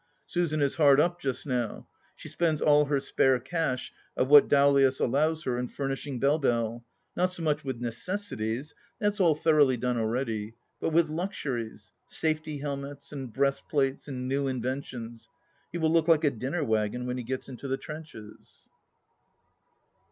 Susan is hard up just now. She spends all her spare cash of what Dowlais allows her in furnishing Belle Belle, not so much with necessi ties — that's all thoroughly done already — but with luxuries : safety helmets, and breastplates, and new inventions. He will look like a dinner wagon when he gets into the trenches.